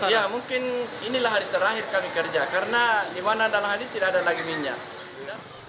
ya mungkin inilah hari terakhir kami kerja karena di mana dalam hal ini tidak ada lagi minyak